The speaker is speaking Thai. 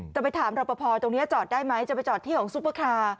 จะไปถามรอปภตรงนี้จอดได้ไหมจะไปจอดที่ของซุปเปอร์คาร์